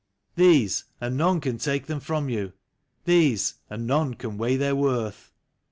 These, and none can take them from you ; These, and none can weigh their worth.